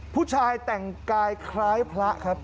ผู้ชายแต่งกายคล้ายพระครับ